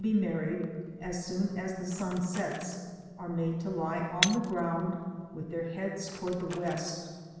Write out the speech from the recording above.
be married, as soon as the sun sets, are made to lie on the ground with their heads towards the west.